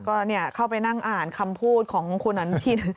ก็เข้าไปนั่งอ่านคำพูดของคุณอนุทิน